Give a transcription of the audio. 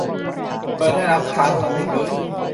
โดยได้รับครั้งละไม่เกิน